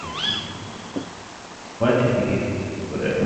But he is brave.